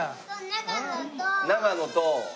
長野と。